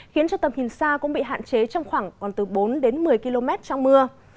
khiến cho tầm hình xa cũng bị hạn chế trong khoảng bốn đến một mươi km trong mưa